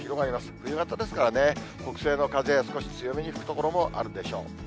冬型ですからね、北西の風、少し強めに吹く所もあるでしょう。